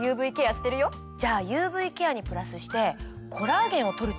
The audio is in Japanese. じゃあＵＶケアにプラスしてコラーゲンを取るといいよ。